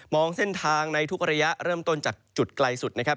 เส้นทางในทุกระยะเริ่มต้นจากจุดไกลสุดนะครับ